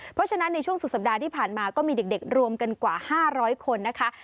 เพราะฉะนั้นในช่วงสุดสัปดาห์ที่ผ่านมาก็มีเด็กรวมกันกว่า๕๐๐คนนะคะ